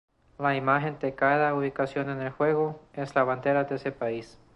La imagen de cada ubicación en el juego es la bandera de ese país.